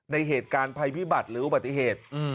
ในเหตุการณ์ภัยพิบัติหรืออุบัติเหตุ